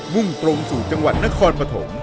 ่งตรงสู่จังหวัดนครปฐม